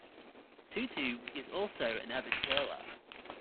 Tootoo is also an avid curler.